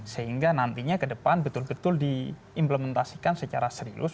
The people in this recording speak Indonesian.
sehingga nantinya ke depan betul betul diimplementasikan secara serius